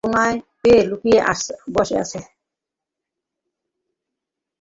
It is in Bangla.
ওখানে কোণায় কে লুকিয়ে বসে আছে?